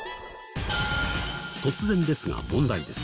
突然ですが問題です。